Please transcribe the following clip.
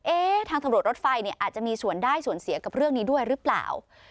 ทางตำรวจรถไฟเนี่ยอาจจะมีส่วนได้ส่วนเสียกับเรื่องนี้ด้วยหรือเปล่า